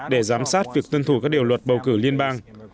để giám sát việc tuân thủ các điều luật bầu cử liên bang